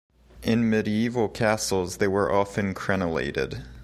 In medieval castles, they were often crenellated.